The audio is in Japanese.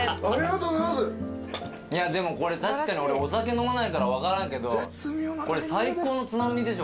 いやでもこれ確かに俺お酒飲まないから分からんけどこれ最高のつまみでしょ。